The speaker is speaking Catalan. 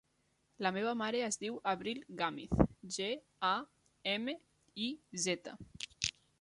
La meva mare es diu Avril Gamiz: ge, a, ema, i, zeta.